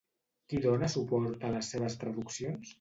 Qui dona suport a les seves traduccions?